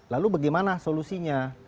lalu bagaimana solusinya